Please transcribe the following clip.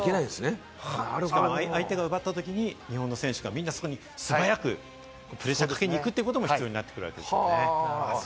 相手が奪ったときに、日本の選手がそこに素早くプレッシャーをかけにいくことも必要になってくるわけですね。